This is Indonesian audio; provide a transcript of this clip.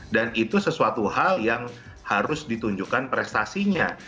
dan itu sesuatu hal yang harus ditunjukkan prestasinya